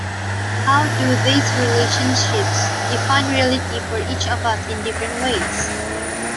How do these relationships define reality for each of us in different ways?